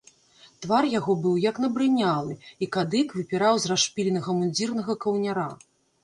Твар яго быў як набрынялы, і кадык выпіраў з расшпіленага мундзірнага каўняра.